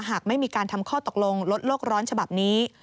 หากไม่มีการทำข้อตกลงลดโลกร้อนฉบับนี้